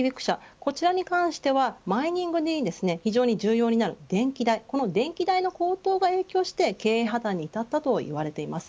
こちらに関してはマイニングに非常に重要になる電気代、この電気代の高騰が影響して経営破綻に至ったと言われています。